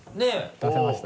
出せました。